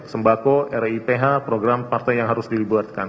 sembako riph program partai yang harus dibuatkan